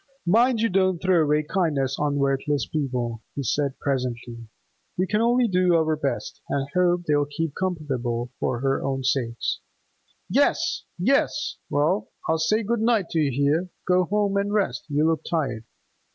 'Mind you don't throw away kindness on worthless people,' he said presently. 'We can only do our best, and hope they'll keep comfortable for their own sakes.' 'Yes, yes. Well, I'll say good night to you here. Go home and rest; you look tired.